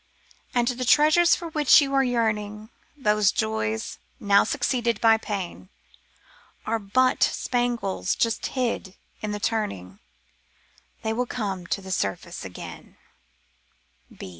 And the treasures for which we are yearning, Those joys, now succeeded by pain — Are but spangles, just hid in the turning ; They will come to the surface again.